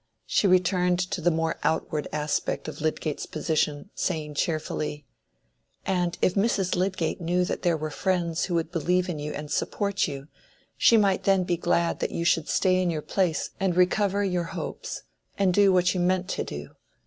She returned to the more outward aspect of Lydgate's position, saying cheerfully— "And if Mrs. Lydgate knew that there were friends who would believe in you and support you, she might then be glad that you should stay in your place and recover your hopes—and do what you meant to do.